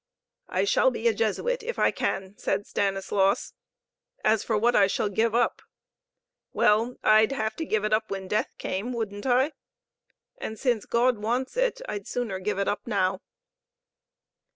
"I shall be a Jesuit, if I can," said Stanislaus. "As for what I shall give up, well, I'd have to give it up when death came, wouldn't I? And since God wants it, I'd sooner give it up now."